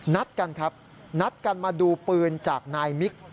นัดกันครับนัดกันมาดูปืนจากนายมิก